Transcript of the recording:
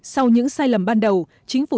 sau những sai lầm ban đầu